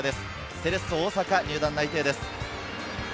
セレッソ大阪入団内定です。